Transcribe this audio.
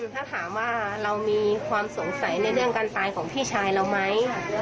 ถ้าถามว่าเรามีความสงสัยในเรื่องการตายของพี่ชายเราไหม